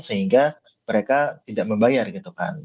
sehingga mereka tidak membayar gitu kan